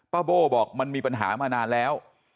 โบ้บอกมันมีปัญหามานานแล้ว